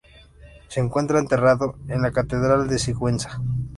Se encuentra enterrado en la catedral de Sigüenza.